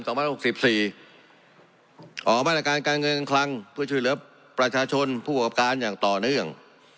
ออกมาตรการการเงินการคลังเพื่อช่วยเหลือประชาชนผู้ประกอบการอย่างต่อเนื่อง